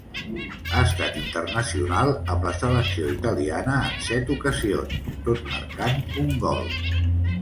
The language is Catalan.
Ha estat internacional amb la selecció italiana en set ocasions, tot marcant un gol.